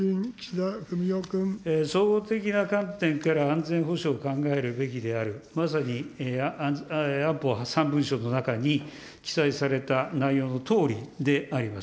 総合的な観点から、安全保障を考えるべきである、まさに安保３文書の中に記載された内容のとおりであります。